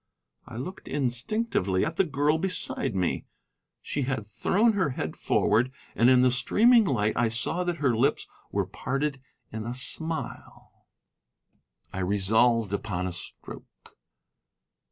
I looked instinctively at the girl beside me. She had thrown her head forward, and in the streaming light I saw that her lips were parted in a smile. I resolved upon a stroke.